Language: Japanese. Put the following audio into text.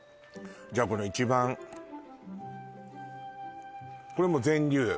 じゃこの一番これも全粒？